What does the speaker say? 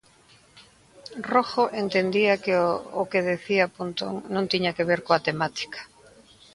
Rojo entendía que o que dicía Pontón non tiña que ver coa temática.